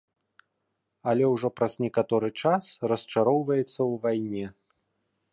Але ўжо праз некаторы час расчароўваецца ў вайне.